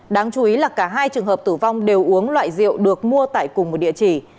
đáng chú ý là cả hai trường hợp tử vong đều uống loại rượu được mua tại cùng một địa chỉ